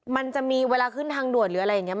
มันจะมีเวลาขึ้นทางด่วนหรืออะไรอย่างนี้